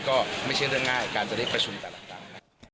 ก็ไม่ใช่เรื่องง่ายการจะเรียกประชุมแต่ละครั้ง